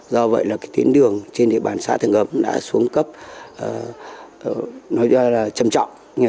do vậy tuyến đường trên địa bàn xã thường ấm đã xuống cấp trầm trọng